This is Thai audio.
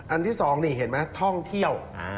อันที่สองนี่เห็นไหมท่องเที่ยว